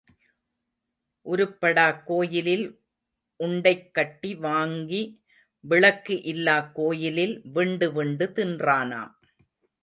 உருப்படாக் கோயிலில் உண்டைக் கட்டி வாங்கி விளக்கு இல்லாக் கோயிலில் விண்டு விண்டு தின்றானாம்.